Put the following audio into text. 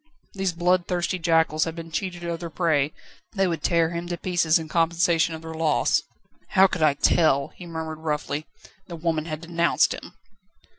These bloodthirsty jackals had been cheated of their prey; they would tear him to pieces in compensation of their loss. "How could I tell?" he murmured roughly, "the woman had denounced him."